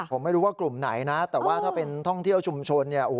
ผมไม่รู้ว่ากลุ่มไหนนะแต่ว่าถ้าเป็นท่องเที่ยวชุมชนเนี่ย